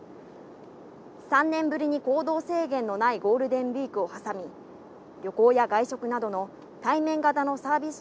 ３年ぶりに行動制限のないゴールデンウイークを挟み、旅行や外食などの対面型のサービス